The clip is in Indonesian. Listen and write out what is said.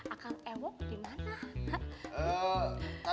akan emok di mana